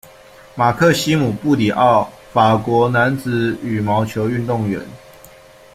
马克西姆·布里奥，法国男子羽毛球运动员。